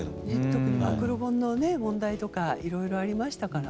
特に暴露本の問題とかいろいろありましたから。